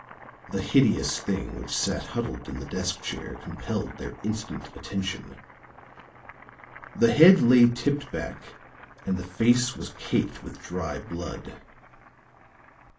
The hideous thing which sat huddled in the desk chair compelled their instant attention; the head lay tipped back and the face was caked with dry blood.